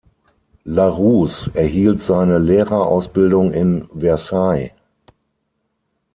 Larousse erhielt seine Lehrerausbildung in Versailles.